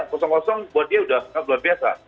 buat dia sudah sangat luar biasa